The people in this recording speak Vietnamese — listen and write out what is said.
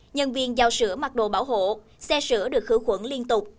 nhân viên giao sữa mặc đồ bảo hộ xe sữa được khử khuẩn liên tục